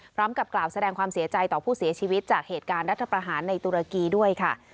พร้อมกับกล่าวแสดงความเสียใจต่อผู้เสียชีวิตจากเหตุการณ์รัฐประหารในตุรกีด้วยค่ะ